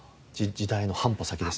時代の半歩先ですね。